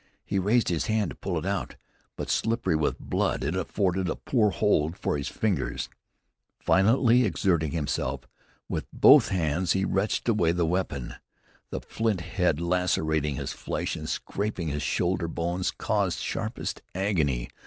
He raised his hand to pull it out; but, slippery with blood, it afforded a poor hold for his fingers. Violently exerting himself, with both hands he wrenched away the weapon. The flint head lacerating his flesh and scraping his shoulder bones caused sharpest agony.